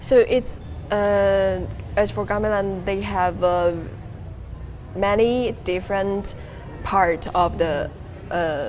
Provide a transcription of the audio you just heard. jadi untuk gamelan mereka memiliki banyak bagian yang berbeda